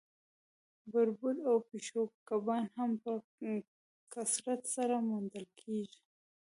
بربوټ او پیشو کبان هم په کثرت سره موندل کیږي